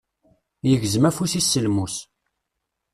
Yegzem afus-is s lmus.